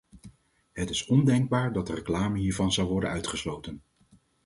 Het is ondenkbaar dat de reclame hiervan zou worden uitgesloten.